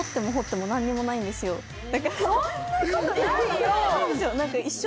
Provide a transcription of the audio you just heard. そんなことないよ！